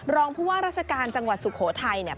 รองผู้ว่าราชการจังหวัดสุโขทัยเนี่ย